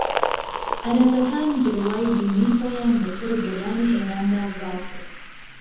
عەرەبەکان بڕوای دینی خۆیان بە سەر گەلانی ئێراندا زاڵ کرد